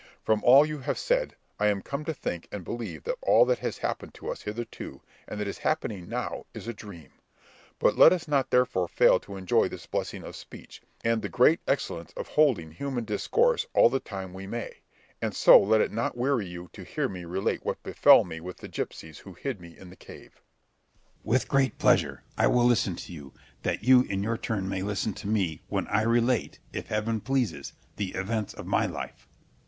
From all you have said, I am come to think and believe that all that has happened to us hitherto, and that is now happening, is a dream; but let us not therefore fail to enjoy this blessing of speech, and the great excellence of holding human discourse all the time we may; and so let it not weary you to hear me relate what befel me with the gipsies who hid me in the cave. Scip. With great pleasure. I will listen to you, that you in your turn may listen to me, when I relate, if heaven pleases, the events of my life. Berg.